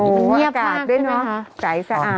โอ้โฮอากาศด้วยเนอะใสสะอ่าง